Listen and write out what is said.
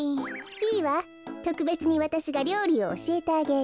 とくべつにわたしがりょうりをおしえてあげる。